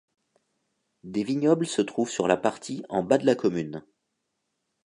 Des vignobles se trouvent sur la partie en bas de la commune.